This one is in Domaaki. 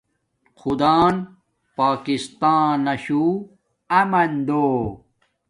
خدان پاکستانا شو آمن دو